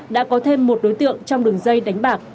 đã có thêm một đối tượng trong đường dây đánh bạc